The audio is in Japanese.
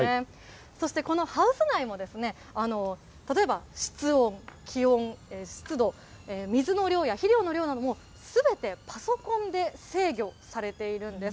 そしてこのハウス内も、例えば室温、気温、湿度、水の量や肥料の量なども、すべてパソコンで制御されているんです。